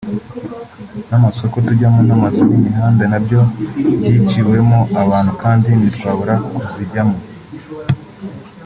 n’amasoko tujyamo n’amazu n’imihanda na byo byiciwemo abantu kandi ntitwabura kuzijyamo